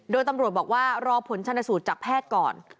โดยตำรวจบอกว่ารอผลชนสูตรจากแพทย์ก่อน